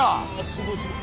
すごいすごい！